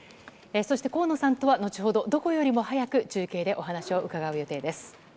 そして河野さんとは後ほど、どこよりも早く中継でお話を伺う予定です。